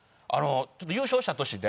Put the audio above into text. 優勝した年で。